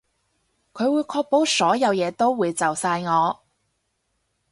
佢會確保所有嘢都會就晒我